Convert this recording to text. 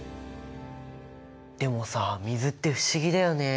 でもさ水って不思議だよね。